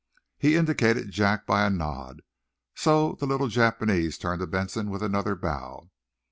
He indicated Jack by a nod, so the little Japanese turned to Benson with another bow.